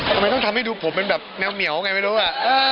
ทำไมต้องทำให้ดูผมเป็นแบบแมวเหมียวไงไม่รู้ล่ะ